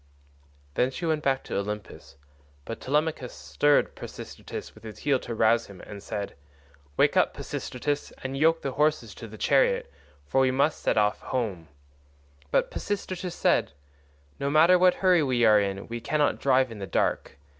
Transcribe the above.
Then she went back to Olympus; but Telemachus stirred Pisistratus with his heel to rouse him, and said, "Wake up Pisistratus, and yoke the horses to the chariot, for we must set off home."129 But Pisistratus said, "No matter what hurry we are in we cannot drive in the dark.